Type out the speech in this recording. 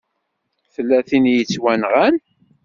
Tella tin i yettwanɣan.